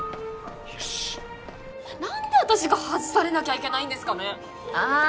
よし何で私が外されなきゃいけないんですかねああああ